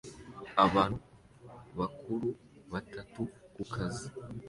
Abantu bakuru batatu ku kazi